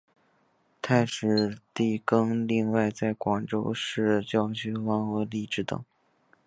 太史第更另外在广州市郊自设农场生产花果荔枝等等。